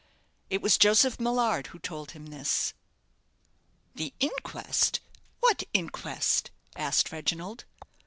It was Joseph Millard who told him this. "The inquest! What inquest?" asked Reginald.